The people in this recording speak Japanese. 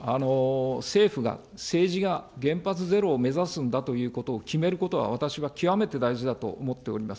政府が、政治が、原発ゼロを目指すんだということを決めることは、私は極めて大事だと思っております。